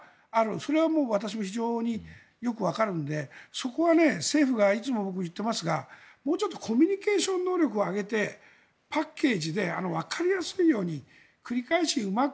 それはもう私も非常によくわかるのでそこは政府がいつも僕言っていますがもうちょっとコミュニケーション能力を上げてパッケージでわかりやすいように繰り返しうまく